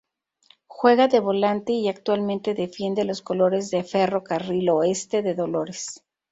Juega de volante y actualmente defiende los colores de Ferro Carril Oeste de Dolores.